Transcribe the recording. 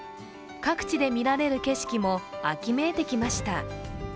各地で見られる景色も秋めいてきました。